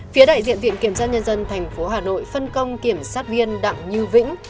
phía đại diện viện kiểm soát nhân dân tp hà nội phân công kiểm soát viên đặng như vĩnh